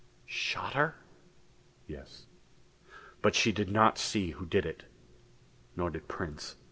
"Shot her?" "Yes. But she did not see who did it. Nor did Prince.